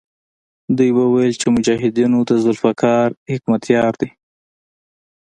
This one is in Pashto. دوی به ویل چې مجاهدونو د ذوالفقار حکمتیار دی.